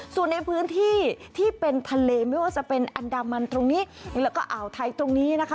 ส่วนในพื้นที่ที่เป็นทะเลไม่ว่าจะเป็นอันดามันตรงนี้แล้วก็อ่าวไทยตรงนี้นะคะ